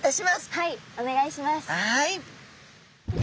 はい！